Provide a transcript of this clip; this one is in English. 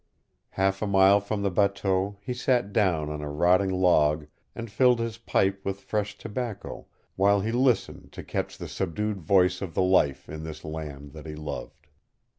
Half a mile from the bateau he sat down on a rotting log and filled his pipe with fresh tobacco, while he listened to catch the subdued voice of the life in this land that he loved.